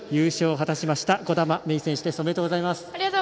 ありがとうございます。